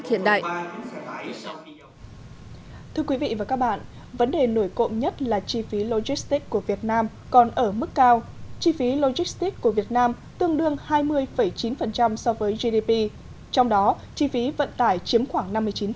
chi phí logistics của việt nam tương đương hai mươi chín so với gdp trong đó chi phí vận tải chiếm khoảng năm mươi chín